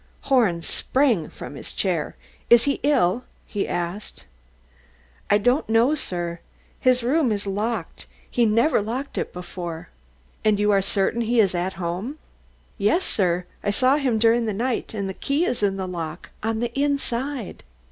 Horn sprang from his chair. "Is he ill?" he asked. "I don't know, sir. His room is locked he never locked it before." "And you are certain he is at home?" "Yes, sir. I saw him during the night and the key is in the lock on the inside."